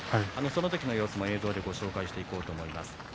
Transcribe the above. その時の様子も映像でご紹介していこうと思います。